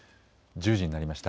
１０時になりました。